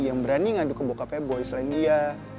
yang berani ngaduk ke bokapnya boy selain dia